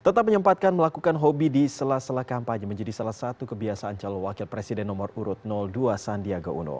tetap menyempatkan melakukan hobi di sela sela kampanye menjadi salah satu kebiasaan calon wakil presiden nomor urut dua sandiaga uno